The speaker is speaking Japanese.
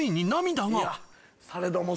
されども。